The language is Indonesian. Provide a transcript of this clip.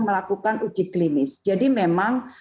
melakukan uji klinis jadi memang